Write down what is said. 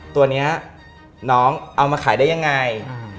ตัวนี้น้องเอามาขายได้ยังไง